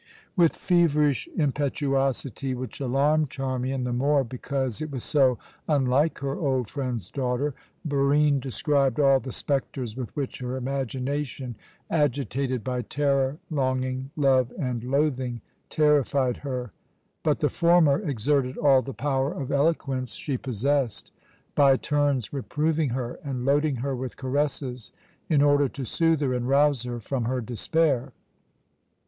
With feverish impetuosity, which alarmed Charmian the more because it was so unlike her old friend's daughter, Barine described all the spectres with which her imagination agitated by terror, longing, love, and loathing terrified her; but the former exerted all the power of eloquence she possessed, by turns reproving her and loading her with caresses, in order to soothe her and rouse her from her despair.